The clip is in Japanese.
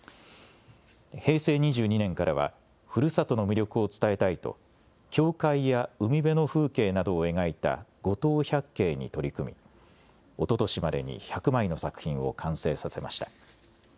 平成２２年からはふるさとの魅力を伝えたいと教会や海辺の風景などを描いた五島百景に取り組みおととしまでに１００枚の作品を完成させました。